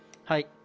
はい。